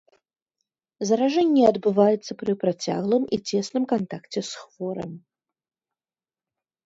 Заражэнне адбываецца пры працяглым і цесным кантакце з хворым.